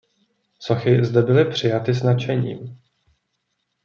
Sochy zde byly přijaty s nadšením.